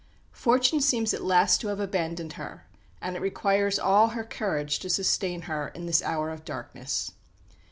Fortune seems at last to have abandoned her; and it requires all her courage to sustain her in this hour of darkness.